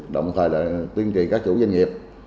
đồng thời tuyên trì các chủ doanh nghiệp